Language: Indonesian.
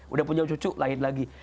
udah punya cucu lain lagi